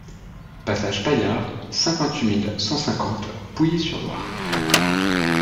Passage Paillard, cinquante-huit mille cent cinquante Pouilly-sur-Loire